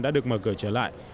đã được mở cửa trở lại